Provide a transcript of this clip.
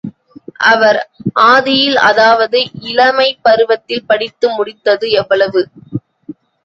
அவர் ஆதியில் அதாவது இளமைப் பருவத்தில் படித்து முடித்தது எவ்வளவு?